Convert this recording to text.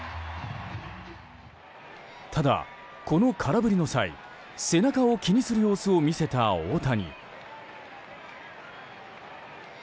ただ、この空振りの際背中を気にする様子を見せた大谷。